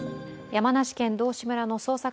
山梨県道志村の捜索